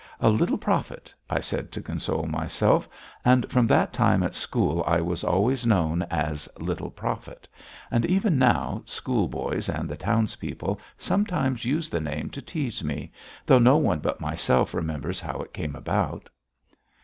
"A little profit!" I said to console myself, and from that time at school I was always known as "Little Profit," and even now, schoolboys and the townspeople sometimes use the name to tease me, though no one but myself remembers how it came about.